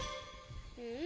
うん？